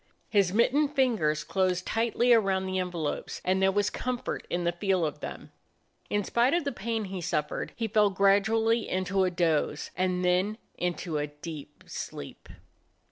His mittened fingers closed tightly around the envelopes, and there was comfort in the feel of them. In spite of the pain he suffered he fell gradually into a doze, and then into a deep sleep.